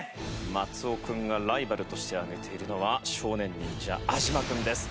松尾君がライバルとして挙げているのは少年忍者安嶋君です。